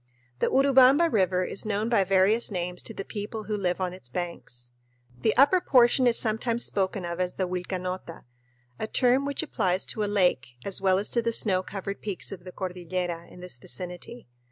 The Urubamba River is known by various names to the people who live on its banks. The upper portion is sometimes spoken of as the Vilcanota, a term which applies to a lake as well as to the snow covered peaks of the cordillera in this vicinity.